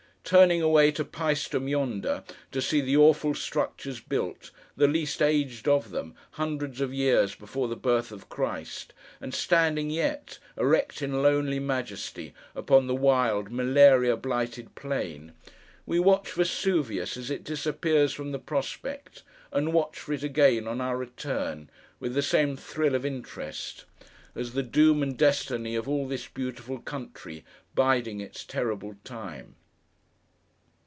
Turning away to Pæstum yonder, to see the awful structures built, the least aged of them, hundreds of years before the birth of Christ, and standing yet, erect in lonely majesty, upon the wild, malaria blighted plain—we watch Vesuvius as it disappears from the prospect, and watch for it again, on our return, with the same thrill of interest: as the doom and destiny of all this beautiful country, biding its terrible time.